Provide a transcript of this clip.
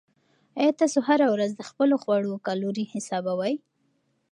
آیا تاسو هره ورځ د خپلو خواړو کالوري حسابوئ؟